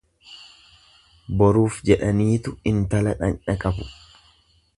Boruuf jedhaniitu intala dhaqna qabu.